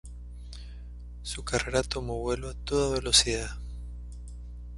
Su carrera tomó vuelo a toda velocidad.